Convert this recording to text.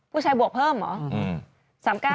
ผู้ชายบวกเพิ่มเหรอ